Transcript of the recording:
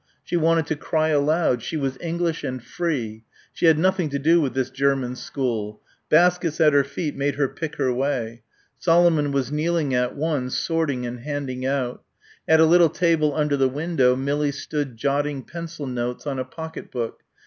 She wanted to cry aloud. She was English and free. She had nothing to do with this German school. Baskets at her feet made her pick her way. Solomon was kneeling at one, sorting and handing out. At a little table under the window Millie stood jotting pencil notes in a pocket book.